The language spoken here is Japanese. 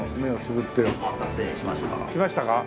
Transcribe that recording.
来ましたか？